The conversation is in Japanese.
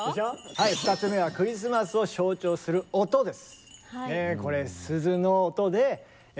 はい２つ目はクリスマスを象徴する音です。